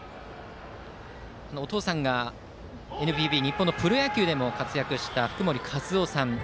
お父さんがＮＰＢ日本のプロ野球でも活躍した福盛和男さんで。